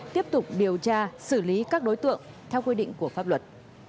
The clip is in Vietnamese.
tiếp tục điều tra xử lý các đối tượng theo quy định của pháp luật